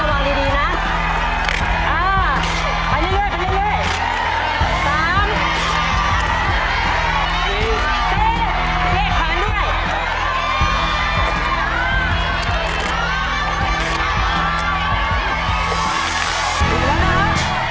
ระวังดีดีนะอ่าไปเรื่อยเรื่อยไปเรื่อยเรื่อย